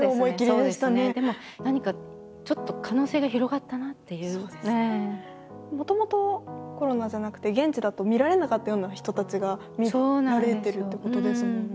でも何かちょっともともとコロナじゃなくて現地だと見られなかったような人たちが見られてるっていうことですもんね。